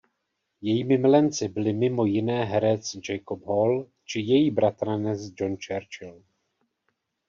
Jejími milenci byli mimo jiné herec "Jacob Hall" či její bratranec John Churchill.